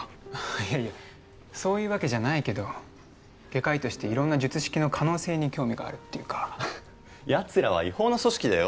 いやいやそういうわけじゃないけど外科医として色んな術式の可能性に興味があるっていうかやつらは違法の組織だよ？